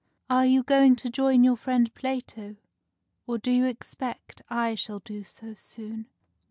Are you going to join your friend Plato, or do you expect I shall do so soon?